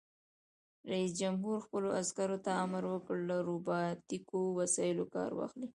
رئیس جمهور خپلو عسکرو ته امر وکړ؛ له روباټیکو وسایلو کار واخلئ!